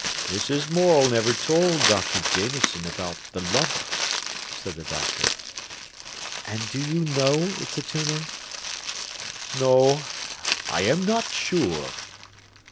"Mrs. Morel never told Dr. Jameson about the lump," said the doctor. "And do you know it's a tumour?" "No, I am not sure."